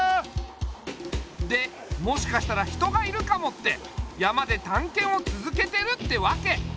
でもしかしたら人がいるかもって山でたんけんをつづけてるってわけ。